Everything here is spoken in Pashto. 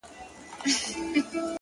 زما د ميني ليونيه. ستا خبر نه راځي.